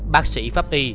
bác sĩ pháp y